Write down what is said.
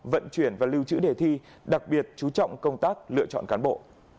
vận chuyển và lưu trữ đề thi đặc biệt chú trọng công tác lựa chọn cán bộ